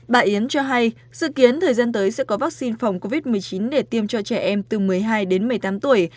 bà yến cho hay dự kiến thời gian tới sẽ có vaccine phòng covid một mươi chín để tiêm cho trẻ em từ một mươi hai đến một mươi tám tuổi